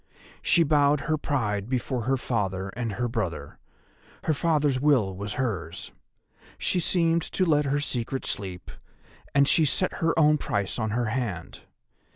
She bowed her pride before her father and her brother: her father's will was hers; she seemed to let her secret sleep, and she set her own price on her hand.